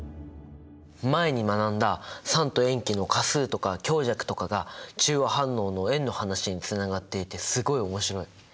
前に学んだ酸と塩基の価数とか強弱とかが中和反応の塩の話につながっていてすごい面白い。